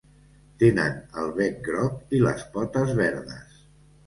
Tenen el bec grog i les potes verdes.